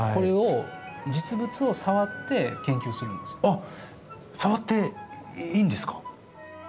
あっ触っていいんですか？